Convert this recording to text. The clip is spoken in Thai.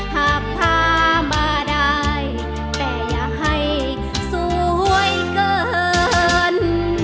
หากพามาได้แต่อยากให้สวยเกิน